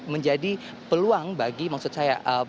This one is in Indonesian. menjadi peluang bagi maksud saya